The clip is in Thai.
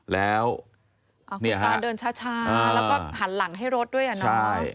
แล้วคุณตาเดินช้าแล้วก็หันหลังให้รถด้วย